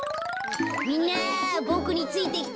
みんなボクについてきて。